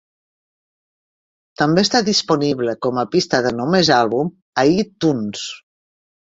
També està disponible com a pista de només àlbum a iTunes.